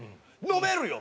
「飲めるよ！」